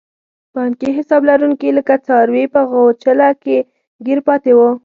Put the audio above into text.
بانکي حساب لرونکي لکه څاروي په غوچله کې ګیر پاتې وو.